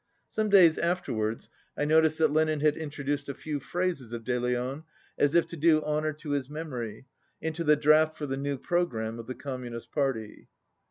Some days afterwards I noticed that Lenin had introduced a few phrases of De Leon, as if to do honour to his memory, into the draft for the new programme of the Communist party.